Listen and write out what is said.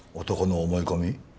男の思い込み。